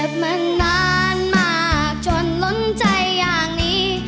มานานมากจนล้นใจอย่างนี้